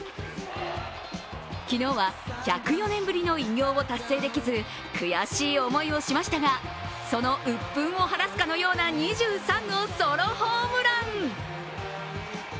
昨日は１０４年ぶりの偉業を達成できず、悔しい思いをしましたが、その鬱憤を晴らすかのような２３号ソロホームラン。